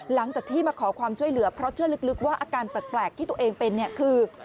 หลังจากที่มาขอความช่วยเหลือเพราะเชื่อลึกว่าอาการแปลกที่ตัวเองเป็นเนี่ยคือ